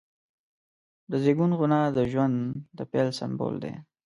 د زیږون خونه د ژوند د پیل سمبول دی.